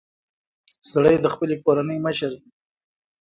سړی د خپلې کورنۍ مشر دی.